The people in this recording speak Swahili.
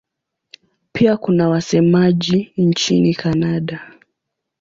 Pia kuna wasemaji nchini Kanada.